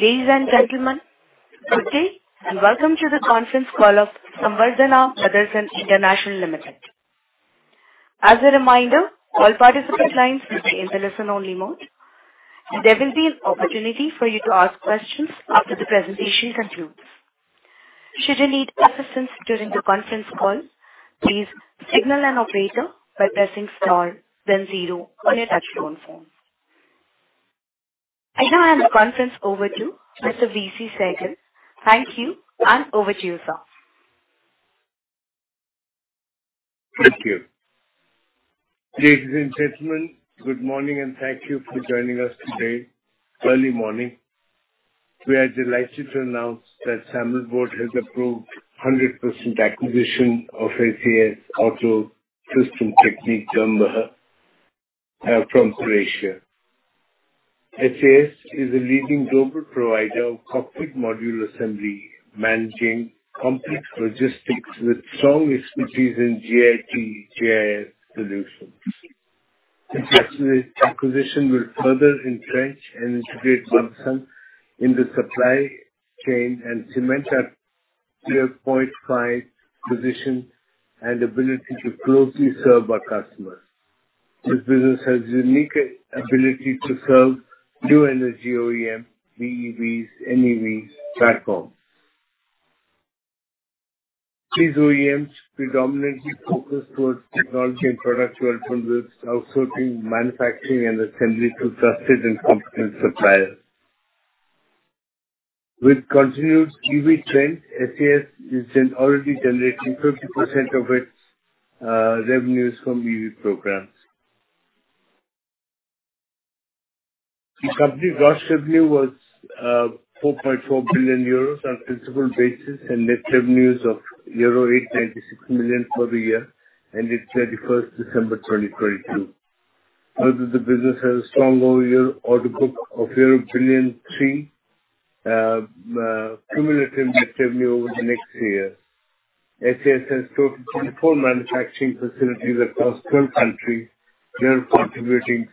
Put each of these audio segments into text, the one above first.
Ladies and gentlemen, good day and welcome to the conference call of Samvardhana Motherson International Limited. As a reminder, all participant lines will be in listen-only mode, and there will be an opportunity for you to ask questions after the presentation concludes. Should you need assistance during the conference call, please signal an operator by pressing star then zero on your touchtone phone. I now hand the conference over to Mr. V.C. Sehgal. Thank you, and over to you, sir. Thank you. Ladies and gentlemen, good morning, and thank you for joining us today, early morning. We are delighted to announce that SAMIL Board has approved 100% acquisition of SAS Autosystemtechnik GmbH, from Faurecia. SAS is a leading global provider of cockpit module assembly, managing complex logistics with strong expertise in JIT/JIS solutions. We estimate acquisition will further entrench and integrate function in the supply chain and cement our tier point five position and ability to closely serve our customers. This business has unique ability to serve new energy OEM, BEVs, NEVs platform. These OEMs predominantly focus towards technology and product development, outsourcing, manufacturing and assembly to trusted and competent suppliers. With continued EV trend, SAS is already generating 50% of its revenues from EV programs. The company gross revenue was 4.4 billion euros on principal basis and net revenues of euro 896 million for the year, ended December 31, 2022. The business has a strong order book of EUR 3 billion cumulative net revenue over the next year. SAS has total 24 manufacturing facilities across 12 countries. Europe contributing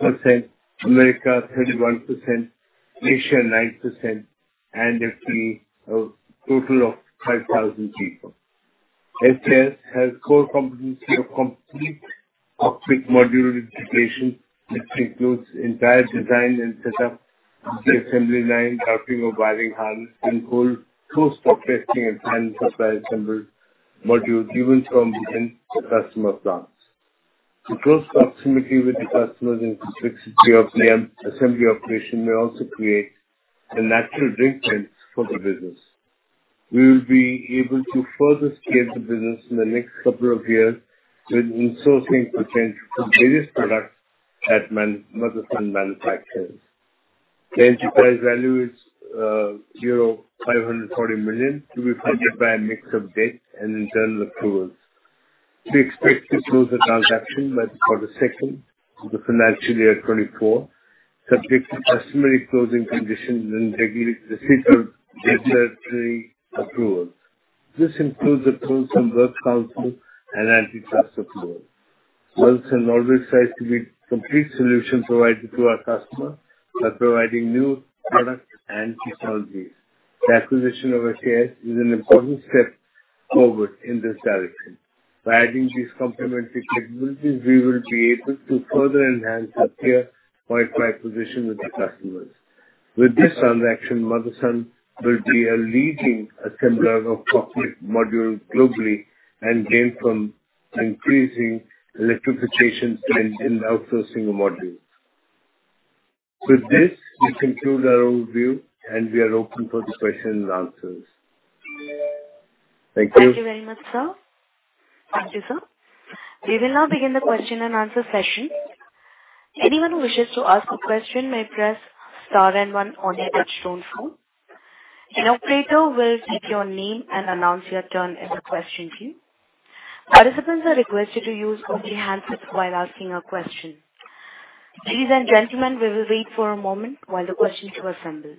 60%, America 31%, Asia 9%, and a team of total of 5,000 people. SAS has core competency of complete cockpit module integration, which includes entire design and set up the assembly line, routing of wiring harness, end-goal tools for testing and final supply assembled module, even from end customer plants. The close proximity with the customers and flexibility of the assembly operation may also create a natural drink tent for the business. We will be able to further scale the business in the next couple of years with in-sourcing potential for various products that Motherson manufactures. The enterprise value is euro 540 million to be funded by a mix of debt and internal accruals. We expect to close the transaction by the 2Q of the financial year 2024, subject to customary closing conditions and recent regulatory approvals. This includes approvals from works council and antitrust approval. Motherson always tries to be complete solution provider to our customer by providing new products and technologies. The acquisition of SAS is an important step forward in this direction. Adding these complementary capabilities, we will be able to further enhance our Tier 0.5 position with the customers. With this transaction, Motherson will be a leading assembler of cockpit module globally and gain from increasing electrification trend in outsourcing modules. With this, we conclude our overview and we are open for the questions and answers. Thank you. Thank you very much, sir. Thank you, sir. We will now begin the question and answer session. Anyone who wishes to ask a question may press star and one on your touchtone phone. An operator will take your name and announce your turn in the question queue. Participants are requested to use only handsets while asking a question. Ladies and gentlemen, we will wait for a moment while the question queue assembles.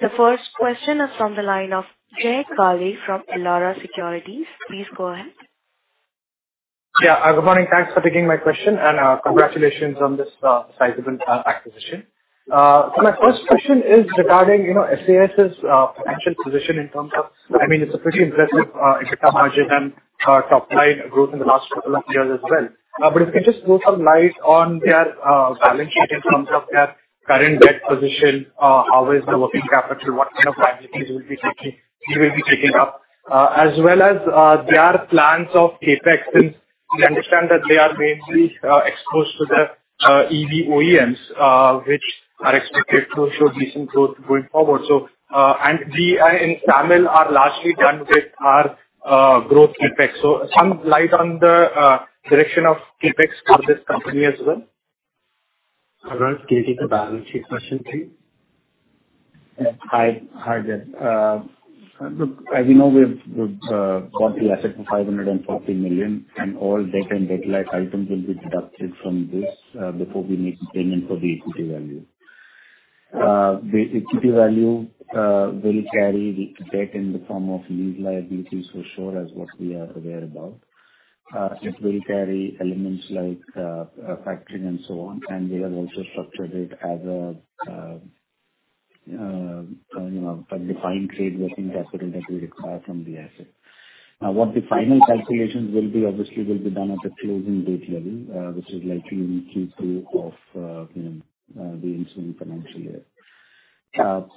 The first question is from the line of Jay Kale from Elara Securities. Please go ahead. Yeah. Good morning. Thanks for taking my question and congratulations on this sizable acquisition. My first question is regarding, you know, SAS's financial position in terms of, I mean, it's a pretty impressive EBITDA margin and top line growth in the last couple of years as well. If you can just throw some light on their balance sheet in terms of their current debt position, how is the working capital? What kind of liabilities we will be taking up? As well as their plans of CapEx since we understand that they are mainly exposed to the EV OEMs, which are expected to show decent growth going forward, so we and SAMIL are largely done with our growth CapEx. Some light on the direction of CapEx for this company as well. Kunal, can you take the balance sheet question, please? Yeah. Hi, hi, Jay. Look, as you know, we've bought the asset for 540 million. All debt and debt-like items will be deducted from this before we make the payment for the equity value. The equity value will carry the debt in the form of lease liabilities for sure as what we are aware about. It will carry elements like factoring and so on, and we have also structured it as a, you know, a defined trade working capital that we require from the asset. What the final calculations will be obviously will be done at the closing date level, which is likely in Q2 of, you know, the ensuing financial year.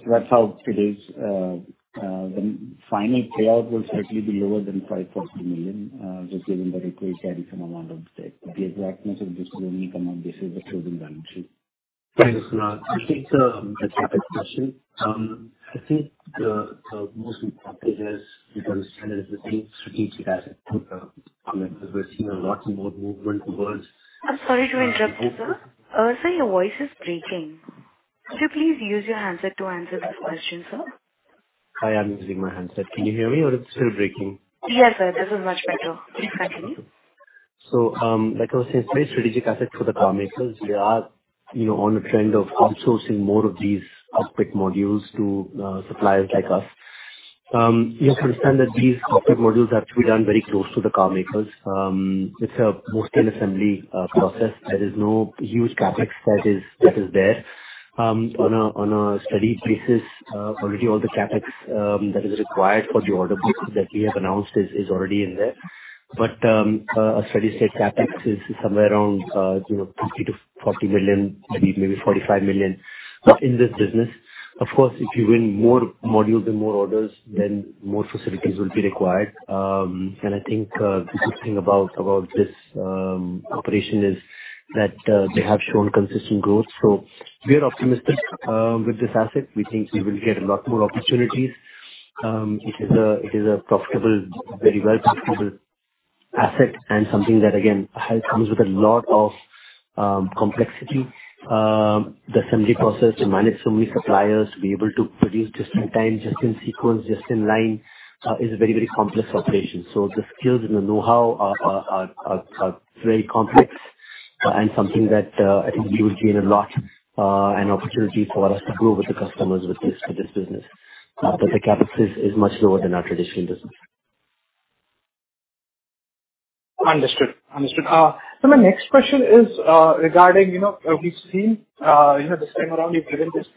That's how it is. The final payout will certainly be lower than 5,000 million, just given the required carrying some amount of debt. The exactness of this will only come on basis of closing balance sheet. Thanks, Kunal. I think, a separate question. I think the most important thing is we can understand that it's the same strategic asset. We're seeing a lot more movement towards. I'm sorry to interrupt you, sir. Sir, your voice is breaking. Could you please use your handset to answer this question, sir? Hi, I'm using my handset. Can you hear me or it's still breaking? Yes, sir. This is much better. Please continue. Like I was saying, it's a very strategic asset for the car makers. They are, you know, on a trend of outsourcing more of these cockpit modules to suppliers like us. You have to understand that these cockpit modules have to be done very close to the car makers. It's a mostly assembly process. There is no huge CapEx that is there. On a steady basis, already all the CapEx that is required for the order book that we have announced is already in there. A steady-state CapEx is somewhere around, you know, 50 million-40 million, maybe 45 million in this business. Of course, if you win more modules and more orders, then more facilities will be required. I think the good thing about this operation is that they have shown consistent growth. We are optimistic with this asset. We think we will get a lot more opportunities. It is a profitable, very well profitable asset and something that again comes with a lot of complexity. The assembly process to manage so many suppliers, to be able to produce just-in-time, just-in-sequence, just-in-line, is a very, very complex operation. The skills and the know-how are very complex and something that I think we will gain a lot and opportunity for us to grow with the customers with this business. The CapEx is much lower than our traditional business. Understood. Understood. My next question is regarding, you know, we've seen, you know, this time around you've given this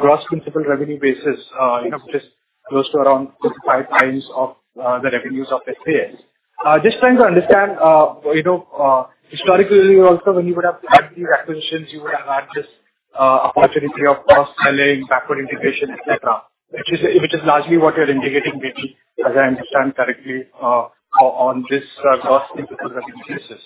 gross principal revenue basis, you know, just close to around 4x-5x of the revenues of FP&A. Just trying to understand, you know, historically also when you would have had these acquisitions, you would have had this opportunity of cross-selling, backward integration, etc, which is largely what you're indicating may be, as I understand correctly, on this gross principal revenue basis.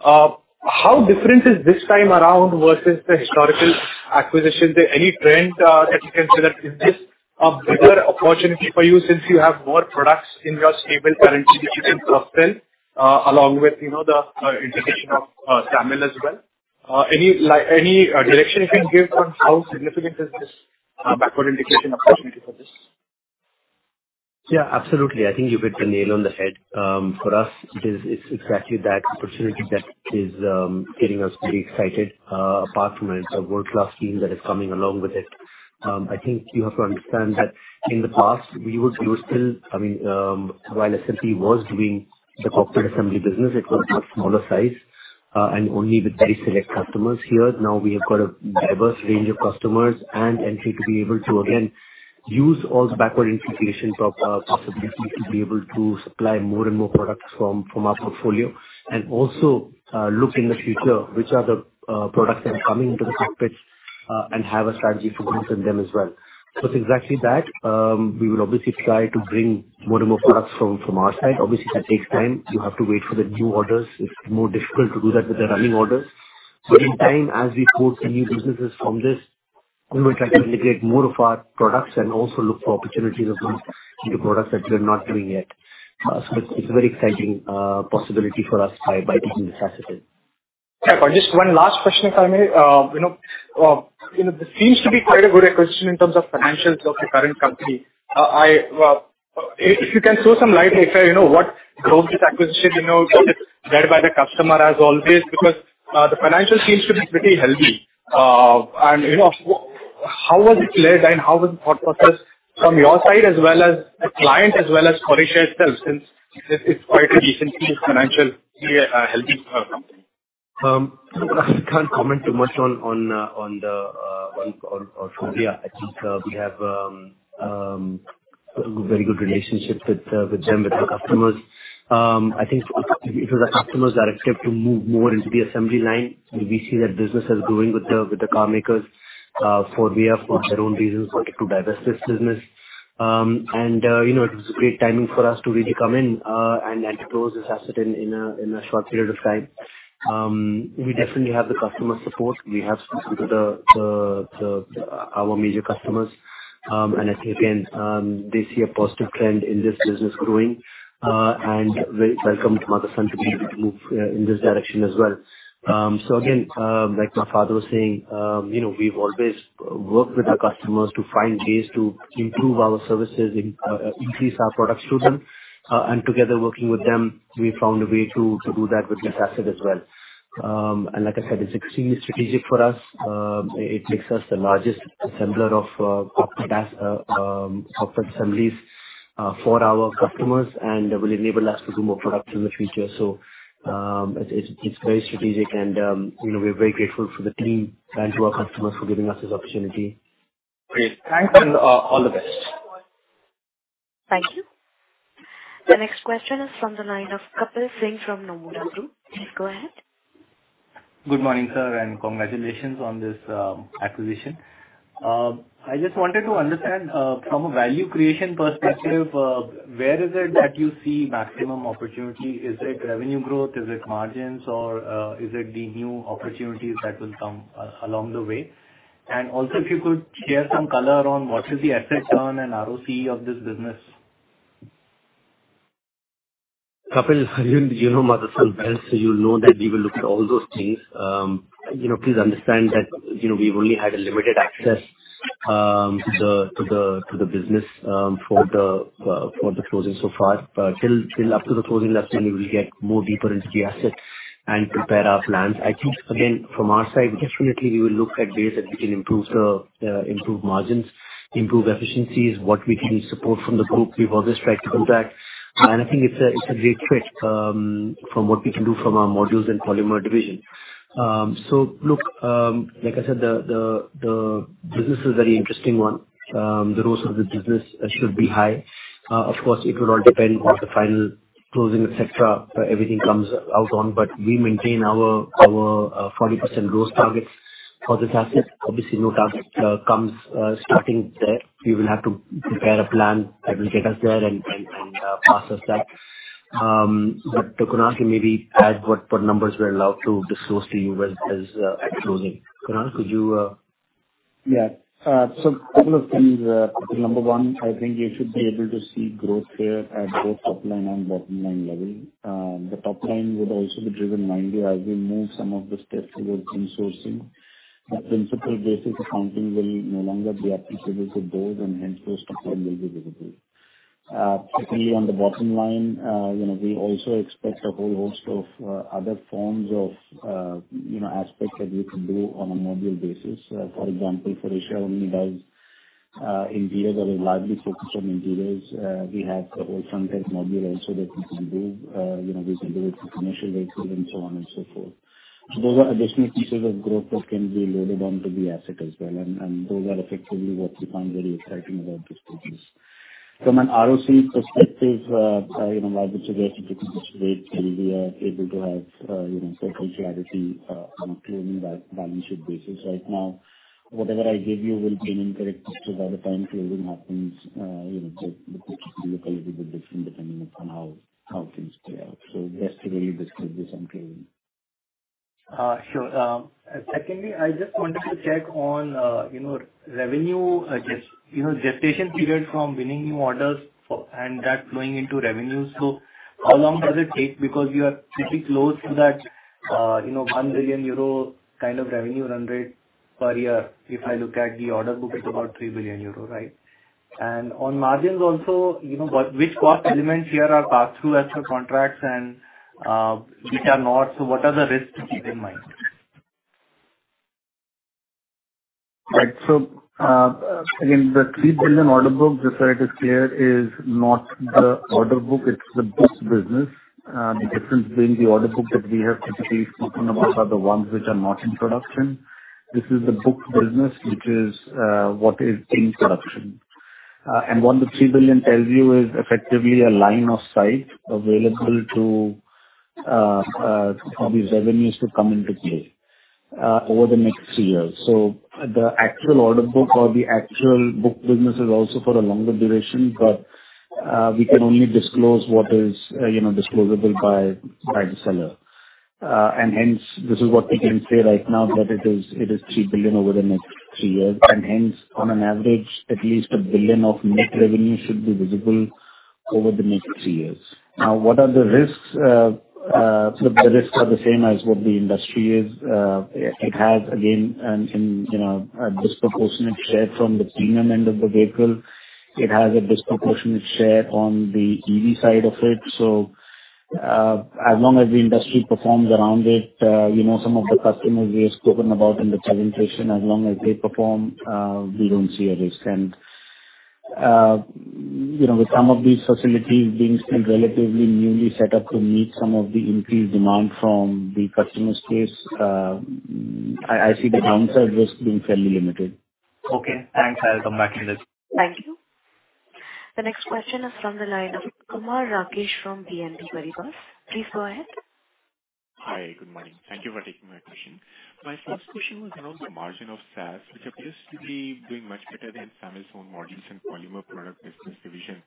How different is this time around versus the historical acquisitions? Any trend that you can say that is this a bigger opportunity for you since you have more products in your stable currently which you can cross-sell, along with, you know, the integration of SAMIL as well? Any direction you can give on how significant is this backward integration opportunity for this? Yeah, absolutely. I think you hit the nail on the head. For us it is, it's exactly that opportunity that is getting us pretty excited, apart from it's a world-class team that is coming along with it. I think you have to understand that in the past we were still, I mean, while SMP was doing the cockpit assembly business, it was a smaller size, and only with very select customers. Here, now we have got a diverse range of customers and entry to be able to again use all the backward integrations of possibilities to be able to supply more and more products from our portfolio. Also, look in the future, which are the products that are coming into the cockpits, and have a strategy to focus on them as well. So it's exactly that. We will obviously try to bring more and more products from our side. Obviously, that takes time. You have to wait for the new orders. It's more difficult to do that with the running orders. In time, as we quote the new businesses from this, we will try to integrate more of our products and also look for opportunities of new products that we're not doing yet. It's a very exciting possibility for us by taking this asset in. Yeah. Just one last question, if I may. you know, you know, this seems to be quite a good acquisition in terms of financials of your current company. I, if you can throw some light, if you know what drove this acquisition, you know, was it led by the customer as always? The financials seems to be pretty healthy. you know, how was it led and how was the thought process from your side as well as the client, as well as FORVIA itself, since it's quite a decently financial, healthy, company? I can't comment too much on FORVIA. I think we have a very good relationship with them, with our customers. I think it was the customers that accept to move more into the assembly line. We see that business is growing with the car makers. FORVIA for their own reasons wanted to divest this business. You know, it was a great timing for us to really come in and to close this asset in a short period of time. We definitely have the customer support. We have spoken to our major customers. I think again, they see a positive trend in this business growing, and we welcome to Motherson to be able to move in this direction as well. Again, like my father was saying, you know, we've always worked with our customers to find ways to improve our services, increase our product to them. Together working with them, we found a way to do that with this asset as well. Like I said, it's extremely strategic for us. It makes us the largest assembler of cockpit assemblies for our customers and will enable us to do more products in the future. It's very strategic and, you know, we're very grateful for the team and to our customers for giving us this opportunity. Great. Thanks and all the best. Thank you. The next question is from the line of Kapil Singh from Nomura Group. Please go ahead. Good morning, sir, and congratulations on this acquisition. I just wanted to understand, from a value creation perspective, where is it that you see maximum opportunity? Is it revenue growth? Is it margins? Or, is it the new opportunities that will come along the way? Also, if you could share some color on what is the asset run and ROC of this business. Kapil, you know Motherson well, you'll know that we will look at all those things. You know, please understand that, you know, we've only had a limited access to the business for the closing so far. Till after the closing, I think we will get more deeper into the assets and prepare our plans. I think again, from our side, definitely we will look at ways that we can improve the improve margins, improve efficiencies, what we can support from the group. We've always tried to do that. I think it's a great fit from what we can do from our Modules and Polymer Products division. Look, like I said, the business is a very interesting one. The growth of the business should be high. Of course, it would all depend on the final closing, etc, everything comes out on. We maintain our 40% growth targets for this asset. Obviously, new target comes starting there. We will have to prepare a plan that will get us there and pass us that. Kunal can maybe add what numbers we're allowed to disclose to you as at closing. Kunal, could you? Couple of things. Number one, I think you should be able to see growth here at both top line and bottom line level. The top line would also be driven mainly as we move some of the steps towards insourcing. The principal basis accounting will no longer be applicable to those, hence those top line will be visible. Secondly, on the bottom line, you know, we also expect a whole host of other forms of, you know, aspects that we can do on a module basis. For example, Faurecia only does interiors or a largely focused on interiors. We have whole front end module also that we can do. You know, we can do it with commercial vehicles and so on and so forth. Those are additional pieces of growth that can be loaded onto the asset as well. Those are effectively what we find very exciting about this business. From an ROC perspective, you know, while the situation dictates rates and we are able to have, you know, total clarity on a clearly balance sheet basis. Right now, whatever I give you will be incorrect because by the time closing happens, you know, the picture will look a little bit different depending upon how things play out. Yesterday you described this on clearly. Sure. Secondly, I just wanted to check on, you know, revenue, you know, gestation period from winning new orders for and that flowing into revenue. How long does it take? We are pretty close to that, you know, 1 billion euro kind of revenue run rate per year. If I look at the order book, it's about 3 billion euro, right? On margins also, you know, which cost elements here are passed through as per contracts and which are not, what are the risks to keep in mind? Right. Again, the 3 billion order book, just so that it is clear, is not the order book, it's the booked business. The difference being the order book that we have typically spoken about are the ones which are not in production. This is the booked business, which is what is in production. And what the 3 billion tells you is effectively a line of sight available to all these revenues to come into play over the next three years. The actual order book or the actual booked business is also for a longer duration, but we can only disclose what is, you know, disclosable by the seller. And hence, this is what we can say right now, that it is 3 billion over the next three years. On an average, at least 1 billion of net revenue should be visible over the next three years. What are the risks? Look, the risks are the same as what the industry is. It has again, you know, a disproportionate share from the premium end of the vehicle. It has a disproportionate share on the EV side of it. As long as the industry performs around it, you know, some of the customers we have spoken about in the presentation, as long as they perform, we don't see a risk. You know, with some of these facilities being still relatively newly set up to meet some of the increased demand from the customer space, I see the downside risk being fairly limited. Okay, thanks. I'll come back in this. Thank you. The next question is from the line of Kumar Rakesh from BNP Paribas. Please go ahead. Hi. Good morning. Thank you for taking my question. My first question was around the margin of SAS, which appears to be doing much better than SAMIL's own models and polymer product business division.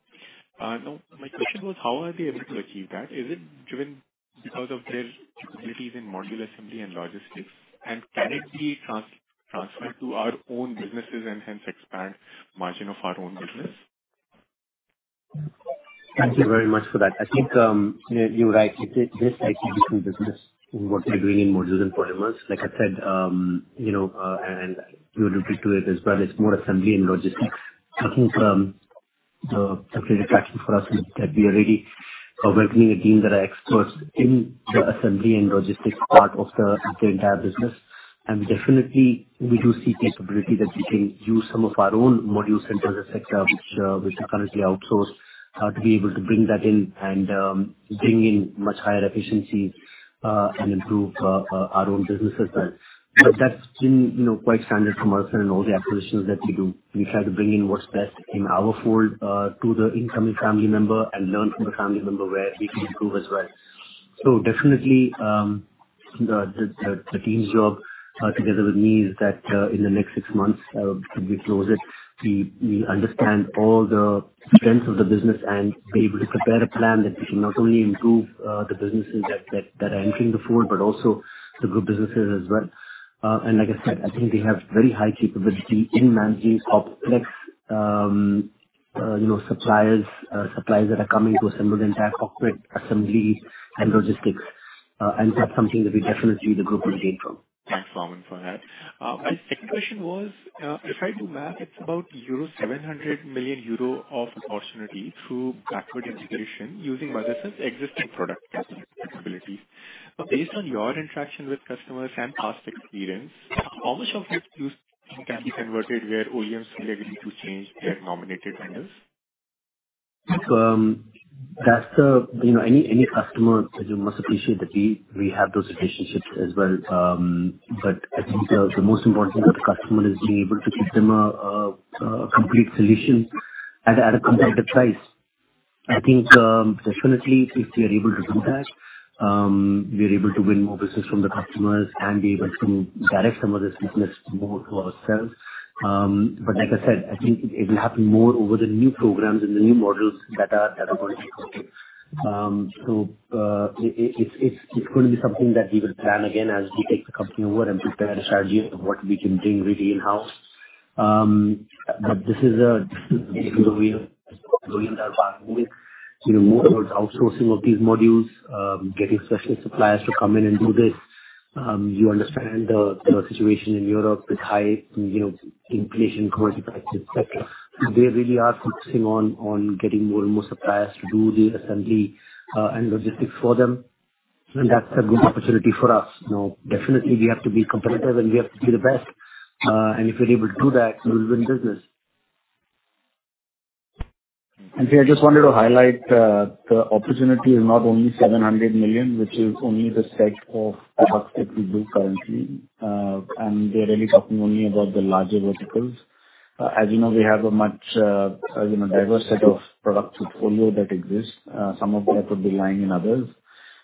Now my question was how are they able to achieve that? Is it driven because of their capabilities in module assembly and logistics? Can it be transferred to our own businesses and hence expand margin of our own business? Thank you very much for that. I think, you're right. This is a different business in what we are doing in Modules and Polymers. Like I said, you know, and you referred to it as well, it's more assembly and logistics. I think. The complete attraction for us is that we are already welcoming a team that are experts in the assembly and logistics part of the entire business. Definitely we do see capability that we can use some of our own module centers etc, which we currently outsource to be able to bring that in and bring in much higher efficiency and improve our own businesses there. That's been, you know, quite standard for Motherson in all the acquisitions that we do. We try to bring in what's best in our fold to the incoming family member and learn from the family member where we can improve as well. Definitely, the team's job, together with me is that, in the next six months, as we close it, we understand all the strengths of the business and be able to prepare a plan that we can not only improve, the businesses that are entering the fold, but also the group businesses as well. Like I said, I think we have very high capability in managing complex, you know, suppliers that are coming to assemble the entire corporate assembly and logistics. That's something that we definitely the group will gain from. Thanks, Laksh, for that. My second question was, if I do math, it's about 700 million euro of opportunity through backward integration using Motherson's existing product capabilities. Based on your interaction with customers and past experience, how much of it use can be converted where OEMs will agree to change their nominated vendors? That's the-- You know, any customer, you must appreciate that we have those relationships as well. I think the most important thing for the customer is being able to give them a complete solution at a competitive price. I think, definitely if we are able to do that, we are able to win more business from the customers and be able to direct some of this business more for ourselves. Like I said, I think it will happen more over the new programs and the new models that are going to be coming. It's gonna be something that we will plan again as we take the company forward and prepare a strategy of what we can bring really in-house. This is a you know, more towards outsourcing of these modules, getting special suppliers to come in and do this. You understand the situation in Europe with high, you know, inflation, currency practices, etc. They really are focusing on getting more and more suppliers to do the assembly, and logistics for them, and that's a good opportunity for us. You know, definitely we have to be competitive and we have to be the best. If we're able to do that, we'll win business. Here I just wanted to highlight, the opportunity is not only 700 million, which is only the set of products that we do currently. We are really talking only about the larger verticals. As you know, we have a much, as you know, diverse set of product portfolio that exists. Some of that could be lying in others.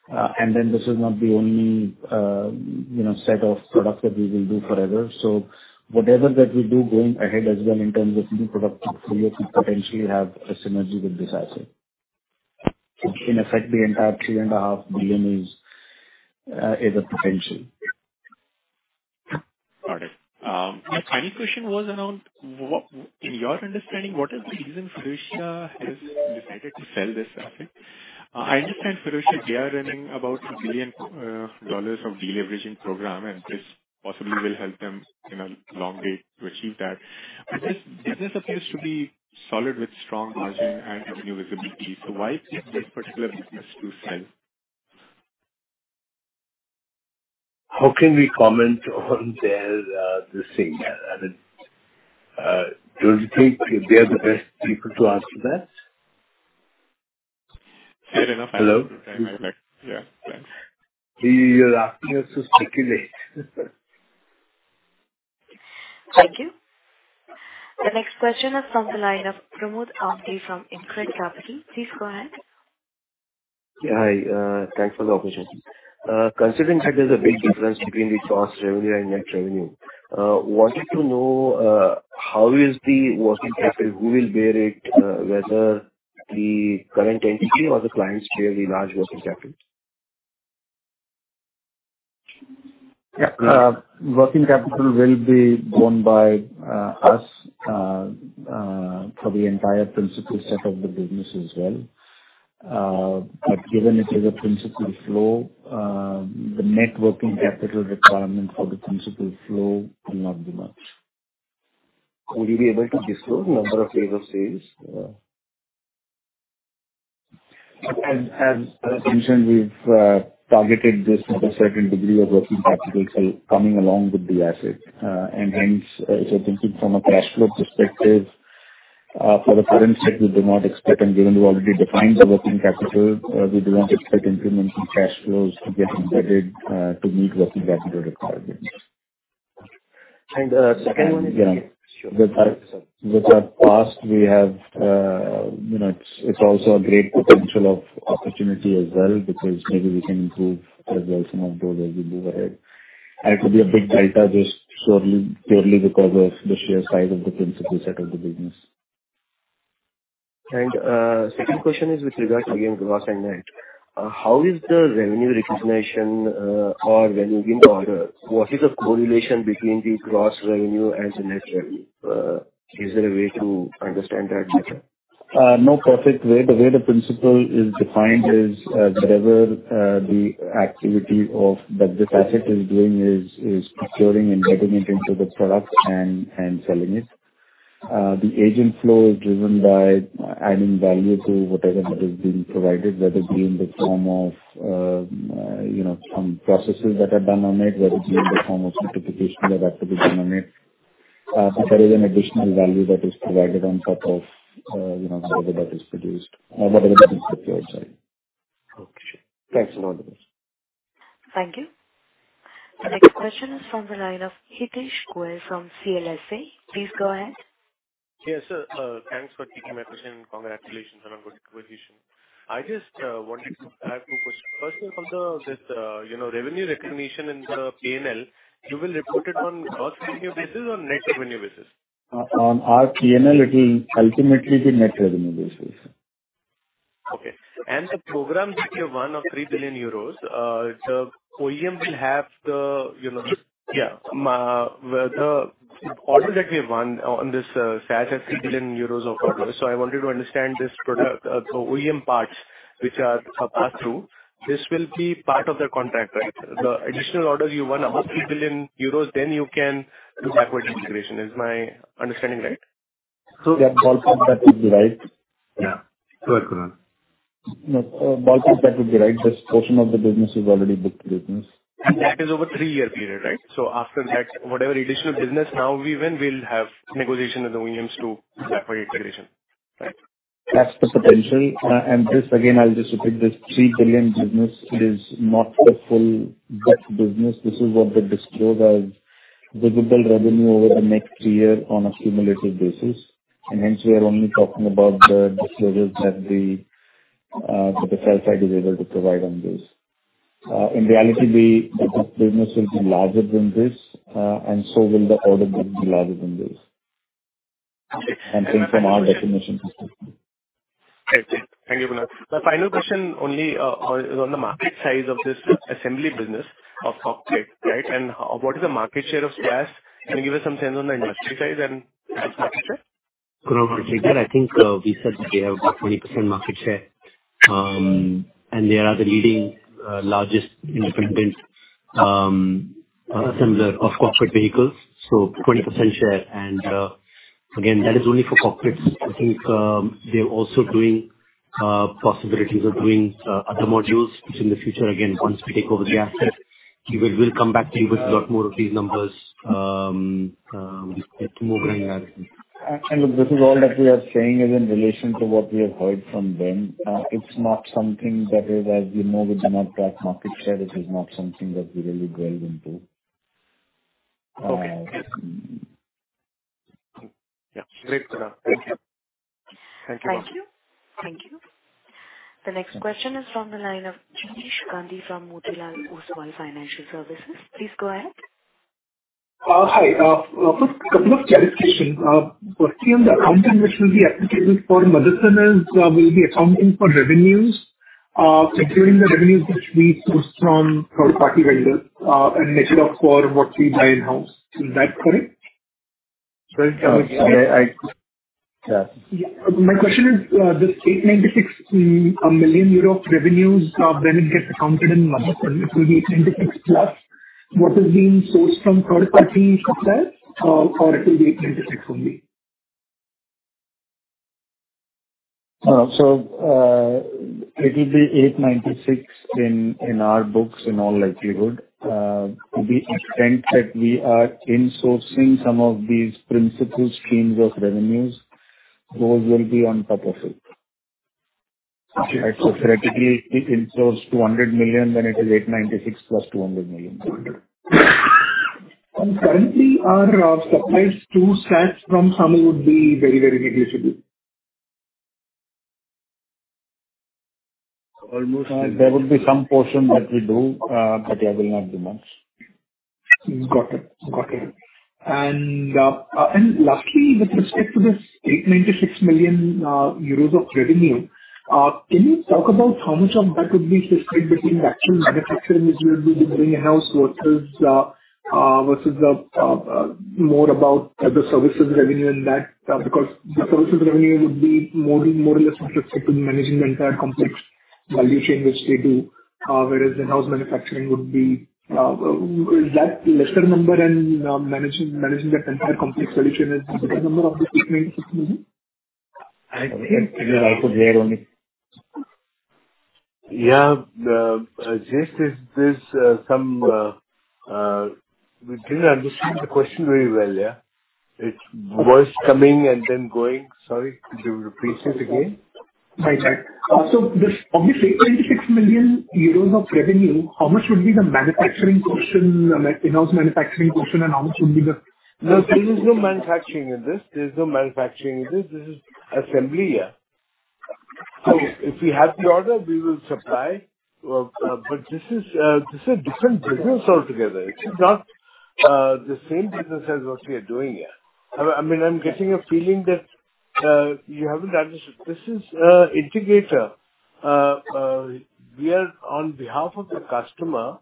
Then this is not the only, you know, set of products that we will do forever. So whatever that we do going ahead as well in terms of new product portfolio could potentially have a synergy with this asset. In effect, the entire 3.5 billion is a potential. Got it. My final question was around in your understanding, what is the reason Faurecia has decided to sell this asset? I understand Faurecia, they are running about a $1 billion of deleveraging program, and this possibly will help them in a long way to achieve that. This business appears to be solid with strong margin and revenue visibility, so why take this particular business to sell? How can we comment on their this thing? I mean, don't you think they're the best people to answer that? Fair enough. Hello? Yeah. Thanks. You're asking us to speculate. Thank you. The next question is from the line of Pramod Amthe from InCred Capital. Please go ahead. Yeah. Hi, thanks for the opportunity. Considering that there's a big difference between the cost revenue and net revenue, wanted to know, how is the working capital, who will bear it, whether the current entity or the clients carry large working capital? Yeah. Working capital will be borne by us for the entire principal set of the business as well. Given it is a principal flow, the net working capital requirement for the principal flow will not be much. Would you be able to disclose the number of Faurecia? As mentioned, we've targeted this with a certain degree of working capital sell coming along with the asset. Hence, thinking from a cash flow perspective, for the current set, we do not expect and given we already defined the working capital, we do not expect incremental cash flows to get embedded, to meet working capital requirements. Second one-. Yeah. Sure. With our past, we have, you know, it's also a great potential of opportunity as well because maybe we can improve as well some of those as we move ahead. It will be a big delta just surely purely because of the sheer size of the principal set of the business. Second question is with regard to, again, gross and net. How is the revenue recognition, or revenue in order? What is the correlation between the gross revenue and the net revenue? Is there a way to understand that better? No perfect way. The way the principle is defined is, whatever, that this asset is doing is procuring and getting it into the product and selling it. The agent flow is driven by adding value to whatever that is being provided, whether it be in the form of, you know, some processes that are done on it, whether it be in the form of certification or that to be done on it. So there is an additional value that is provided on top of, you know, whatever that is produced or whatever that is secured. Sorry. Okay, sure. Thanks a lot. Thank you. The next question is from the line of Hitesh Goel from CLSA. Please go ahead. Yes, sir. Thanks for taking my question, congratulations on a good acquisition. I just, I have two questions. First one on the, this, you know, revenue recognition in the PNL, you will report it on principal basis or net revenue basis? On our PNL, it'll ultimately be net revenue basis. Okay. The programs that you have won of 3 billion euros, the OEM will have the, you know- Yeah. Yeah. Well, the order that we have won on this, SAS has 3 billion euros of orders. I wanted to understand this product, the OEM parts which are a pass-through. This will be part of the contract, right? The additional order you won above 3 billion euros, then you can do backward integration. Is my understanding right? Yeah. Ballpark, that would be right. Yeah. Correct, Kunal. No. Ballpark, that would be right. This portion of the business is already booked business. That is over three-year period, right? After that, whatever additional business now we win, we'll have negotiation with the OEMs to backward integration, right? That's the potential. This again, I'll just repeat, this 3 billion business, it is not the full booked business. This is what they disclose as visible revenue over the next year on a cumulative basis. Hence, we are only talking about the disclosures that we that the sell side is able to provide on this. In reality, the booked business will be larger than this, and so will the order book be larger than this. Okay. Hence from our recognition system. Right. Thank you, Kunal. The final question only is on the market size of this assembly business of cockpit, right? What is the market share of SAS? Can you give us some sense on the industry size and market share? Kunal, I think, we said that they have a 20% market share. They are the leading, largest independent, assembler of cockpit vehicles. 20% share. Again, that is only for cockpits. I think, they're also doing possibilities of doing other modules, which in the future, again, once we take over the asset, we'll come back to you with a lot more of these numbers, with more granularity. Look, this is all that we are saying is in relation to what we have heard from them. It's not something that is, as you know, with the market share, this is not something that we really delved into. Okay. Yes. Yeah. Great, Kunal. Thank you. Thank you. Thank you. Thank you. The next question is from the line of Jinesh Gandhi from Motilal Oswal Financial Services. Please go ahead. Hi. First couple of clarifications. Firstly, on the accounting which will be applicable for Motherson is, will it be accounting for revenues, including the revenues which we source from third-party vendors, and net it off for what we buy in-house. Is that correct? Sorry, Jinesh. I, yeah. Yeah. My question is, this 896 million euro revenues, when it gets accounted in Motherson, it will be 896 plus what is being sourced from third parties of that, or it will be 896 only? It'll be 896 million in our books in all likelihood. To the extent that we are insourcing some of these principal streams of revenues, those will be on top of it. Okay. Theoretically, if we insource 200 million, then it is 896 million + 200 million. Currently our supplies to SAS from SAMIL would be very, very negligible. Almost, there would be some portion that we do, but yeah, will not be much. Got it. Got it. Lastly, with respect to this 896 million euros of revenue, can you talk about how much of that would be described between the actual manufacturing which you will be doing in-house versus the more about the services revenue in that? Because the services revenue would be more or less with respect to managing the entire complex value chain which they do. Whereas in-house manufacturing would be is that lesser number and managing that entire complex solution is the bigger number of this EUR 896 million. I think Jinesh, I put you on mute. Yeah. Jinesh Gandhi, is this some we didn't understand the question very well, yeah. It's voice coming and then going. Sorry. Could you repeat it again? Sorry. This, of this 896 million euros of revenue, how much would be the manufacturing portion, in-house manufacturing portion and how much would be the? No. There is no manufacturing in this. There's no manufacturing in this. This is assembly, yeah. If we have the order, we will supply. This is a different business altogether. This is not the same business as what we are doing, yeah. I mean, I'm getting a feeling that you haven't understood. This is integrator. We are on behalf of the customer,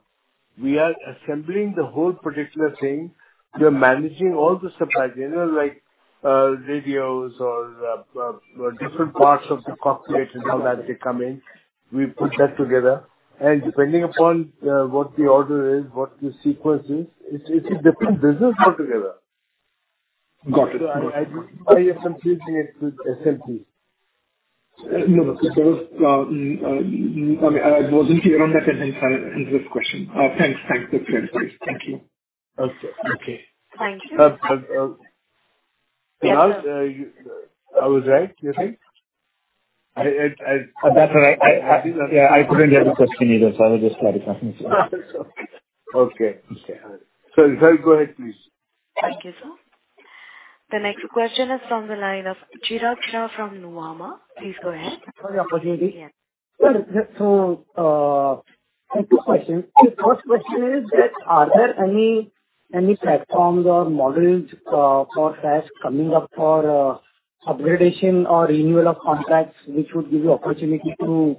we are assembling the whole particular thing. We are managing all the suppliers. You know, like radios or different parts of the cockpit and all that, they come in. We put that together. Depending upon what the order is, what the sequence is, it's a different business altogether. Got it. I am completely with SMP. No, no. There was, I mean, I wasn't clear on that and so answer this question. Thanks. Thanks for the clarity. Thank you. Okay. Okay. Thank you. Kunal, I was right, you think? That's all right. I Yeah, I couldn't get the question either, so I will just let it pass, yeah. Okay. Okay. All right. Sorry. Go ahead, please. Thank you, sir. The next question is from the line of Chirag Shah from Nuvama. Please go ahead. For the opportunity. Yeah. I have two questions. The first question is that are there any platforms or models for SAS coming up for upgradation or renewal of contracts which would give you opportunity to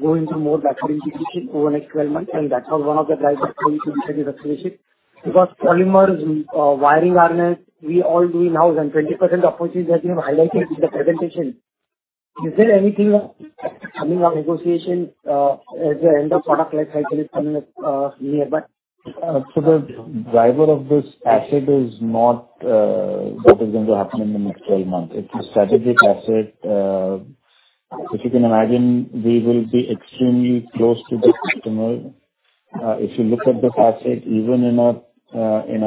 go into more backward integration over the next 12 months? That's how one of the drivers going to be behind the acquisition. Polymers, wiring harness, we all do in-house and 20% opportunities that you have highlighted in the presentation. Is there anything else coming on negotiation as the end of product lifecycle is coming up nearby? The driver of this asset is not what is going to happen in the next 12 months. It's a strategic asset. If you can imagine, we will be extremely close to the customer. If you look at the asset, even in a in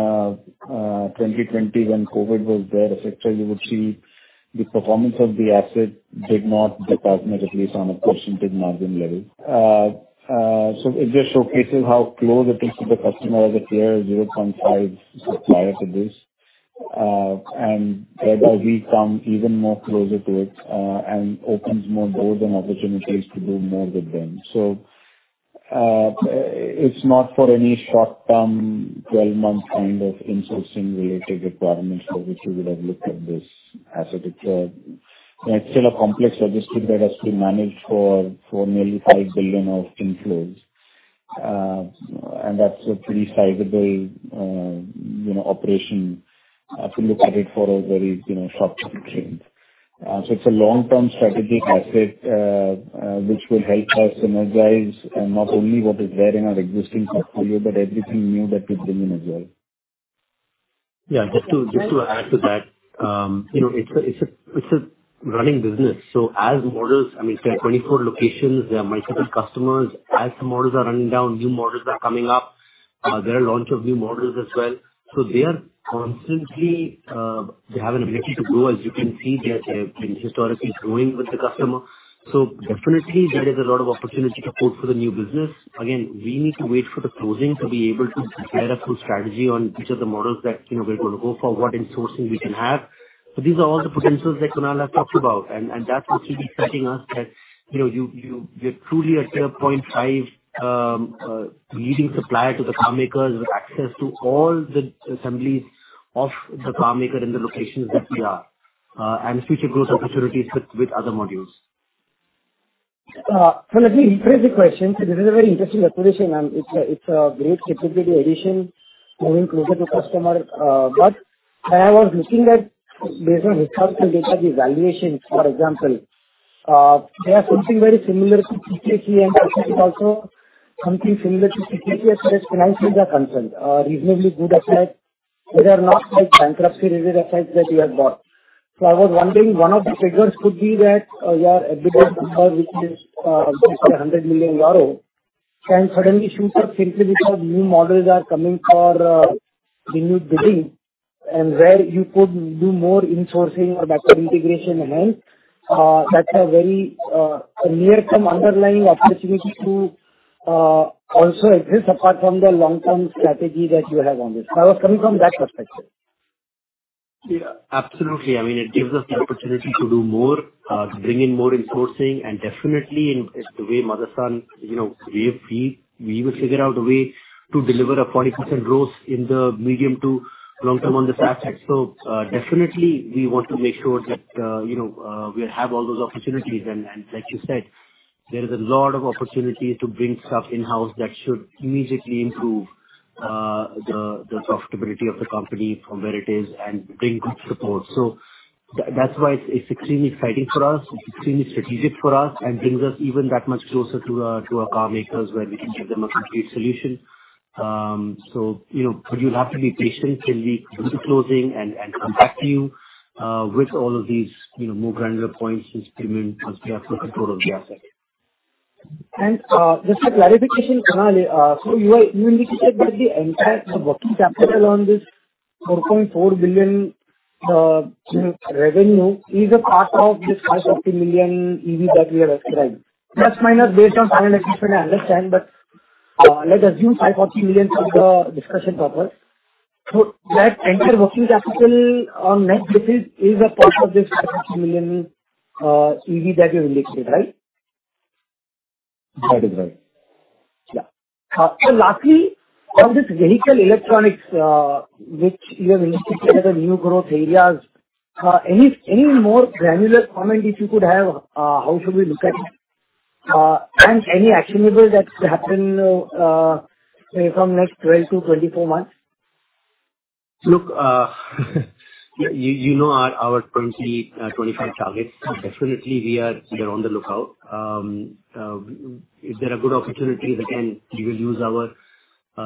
2020 when COVID was there, etc, you would see the performance of the asset did not depart, not at least on a percentage margin level. It just showcases how close it is to the customer. As a player, Tier 0.5 supplier to this. And as I will come even more closer to it, and opens more doors and opportunities to do more with them. It's not for any short-term 12-month kind of insourcing related requirements for which we would have looked at this asset. It's still a complex logistics that has to be managed for nearly 5 billion of inflows. That's a pretty sizable, you know, operation, to look at it for a very, you know, short-term change. So it's a long-term strategic asset, which will help us synergize, not only what is there in our existing portfolio, but everything new that we bring in as well. Yeah. Just to add to that, you know, it's a running business. I mean, there are 24 locations. There are multiple customers. As the models are running down, new models are coming up. There are launch of new models as well. They are constantly, they have an ability to grow. As you can see, they have been historically growing with the customer. Definitely there is a lot of opportunity to port for the new business. Again, we need to wait for the closing to be able to lay a full strategy on which of the models that, you know, we're gonna go for, what insourcing we can have. These are all the potentials that Kunal has talked about. That's what should be setting us that, you know, we're truly a Tier 0.5 leading supplier to the car makers with access to all the assemblies of the car maker in the locations that we are and future growth opportunities with other modules. Let me rephrase the question. This is a very interesting acquisition and it's a, it's a great capability addition, moving closer to customer. When I was looking at based on historical data, the valuations, for example, they are something very similar to CTT and I think it's also something similar to CTT as far as financials are concerned. Reasonably good asset, they're not like bankruptcy-related assets that you have bought. I was wondering, one of the triggers could be that your EBITDA number, which is close to 100 million euro, can suddenly shoot up simply because new models are coming for the new bidding, and where you could do more insourcing or backward integration event. That's a very near-term underlying opportunity to also exist apart from the long-term strategy that you have on this. I was coming from that perspective. Yeah. Absolutely. I mean, it gives us the opportunity to do more, bring in more insourcing and definitely in, it's the way Motherson, you know, We will figure out a way to deliver a 40% growth in the medium to long term on this asset. Definitely we want to make sure that, you know, we have all those opportunities. Like you said, there is a lot of opportunities to bring stuff in-house that should immediately improve, the profitability of the company from where it is and bring good support. That's why it's extremely exciting for us. It's extremely strategic for us and brings us even that much closer to our, to our car makers where we can give them a complete solution. You know, you'll have to be patient till we do the closing and come back to you, with all of these, you know, more granular points once we have full control of the asset. Just a clarification, Kunal. You indicated that the entire working capital on this 4.4 billion revenue is a part of this 550 million EV that we have ascribed. ± based on final adjustment, I understand, but let's assume 540 million for the discussion purpose. That entire working capital on net basis is a part of this 550 million EV that you've indicated, right? That is right. Yeah. Lastly, on this vehicle electronics, which you have listed as a new growth areas, any more granular comment if you could have, how should we look at it? Any actionable that could happen, say, from next 12-24 months? You know our currently 25 targets. Definitely we are on the lookout. If there are good opportunities, again, we will use our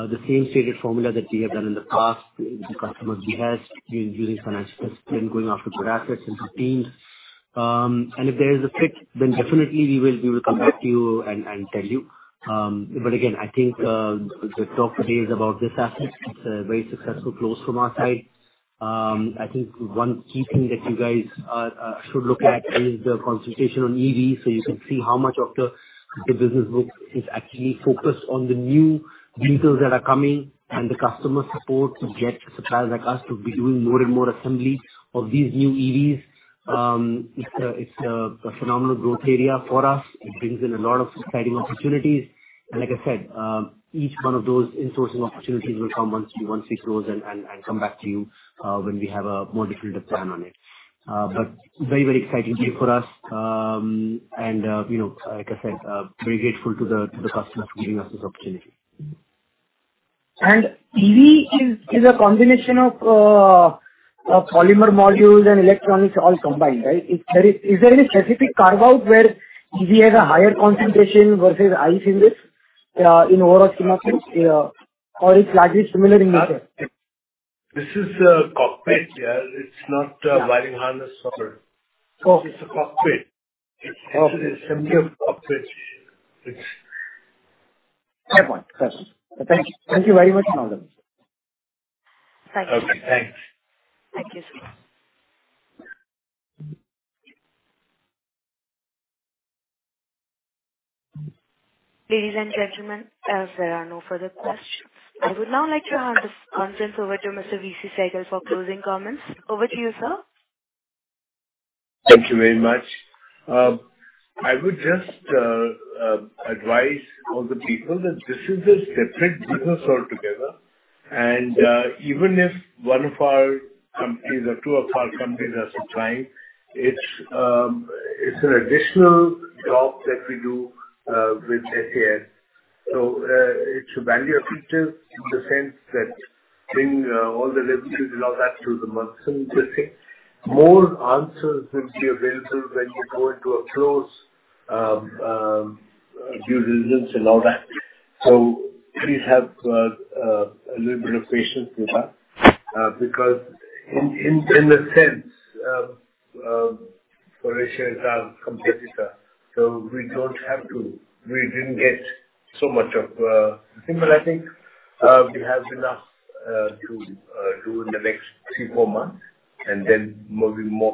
The same stated formula that we have done in the past. The customer de-risked during financial stress, going after good assets and routines. If there is a fit, definitely we will come back to you and tell you. Again, I think the talk today is about this asset. It's a very successful close from our side. I think one key thing that you guys should look at is the concentration on EV. You can see how much of the business book is actually focused on the new vehicles that are coming and the customer support to get suppliers like us to be doing more and more assembly of these new EVs. It's a phenomenal growth area for us. It brings in a lot of exciting opportunities. Like I said, each one of those insourcing opportunities will come once this close and come back to you, when we have a more definitive plan on it. Very exciting day for us. You know, like I said, very grateful to the customer for giving us this opportunity. EV is a combination of polymer modules and electronics all combined, right? Is there any specific carve-out where EV has a higher concentration versus ICE in this, in overall schema things, or it's largely similar in nature? This is a cockpit, yeah. It's not a wiring harness or- Cockpit. It's a cockpit. Cockpit. It's actually assembly of cockpit. It's... Fair point. Yes. Thank you. Thank you very much, Chirag. Thank you. Okay, thanks. Thank you, sir. Ladies and gentlemen, as there are no further questions, I would now like to hand this conference over to Mr. VC Sehgal for closing comments. Over to you, sir. Thank you very much. I would just advise all the people that this is a separate business altogether. Even if one of our companies or two of our companies are supplying, it's an additional job that we do with SAS. It's a value additive in the sense that bring all the liberties and all that to the Motherson. More answers will be available when we go into a close due diligence and all that. Please have a little bit of patience with that. Because in a sense, Faurecia is our competitor, so we don't have to. We didn't get so much of similar, I think. We have enough to do in the next three, four months, and then more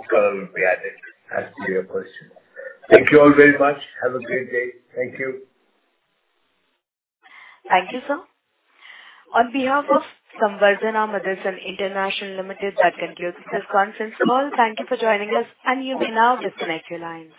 color will be added as to your question. Thank you all very much. Have a great day. Thank you. Thank you, sir. On behalf of Samvardhana Motherson International Limited, that concludes this conference call. Thank you for joining us and you may now disconnect your lines.